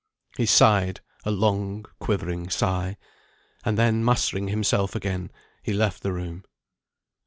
He sighed a long quivering sigh. And then mastering himself again, he left the room.